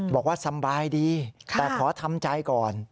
บอกว่าสบายดีแต่ขอทำใจก่อน